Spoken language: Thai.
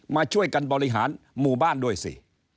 มาช่วยกันบริหารหมู่บ้านด้วยสิ